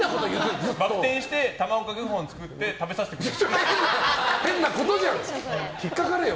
バク転して卵かけご飯作って食べさせてくれる。